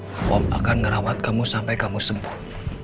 kaum akan merawat kamu sampai kamu sembuh